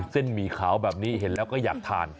หมี่ขาวแบบนี้เห็นแล้วก็อยากทาน